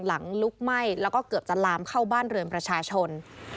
ลุกไหม้แล้วก็เกือบจะลามเข้าบ้านเรือนประชาชน